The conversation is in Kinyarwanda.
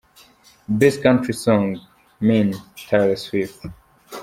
Best Country Song – Mean, Taylor Swift.